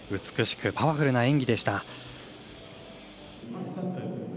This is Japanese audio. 美しくパワフルな演技でした。